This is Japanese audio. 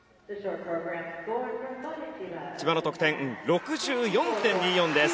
千葉の得点６４．２４です。